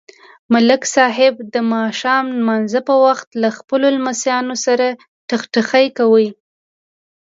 ملک صاحب د ماښام نمانځه په وخت له خپلو لمسیانو سره ټخټخی کوي.